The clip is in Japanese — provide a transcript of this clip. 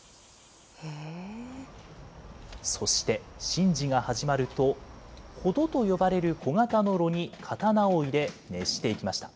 そして、神事が始まると、火床と呼ばれる小型の炉に刀を入れ、熱していきました。